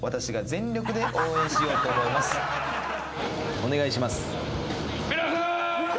お願いします。